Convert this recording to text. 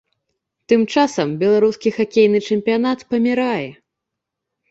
Тым часам, беларускі хакейны чэмпіянат памірае.